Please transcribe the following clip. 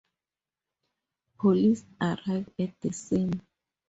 Police arrived at the scene.